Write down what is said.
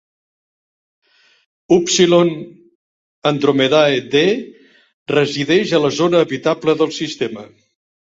Upsilon Andromedae d resideix a la zona habitable del sistema.